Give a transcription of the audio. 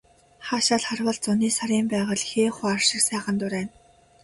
Хаашаа л харвал зуны сарын байгаль хээ хуар шиг сайхан дурайна.